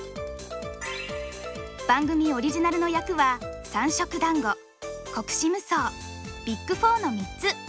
番組オリジナルの役は三色団子国士無双ビッグ４の３つ！